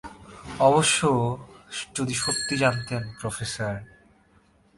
অবশ্য, যদি সত্যিই জানতে চান, প্রফেসর।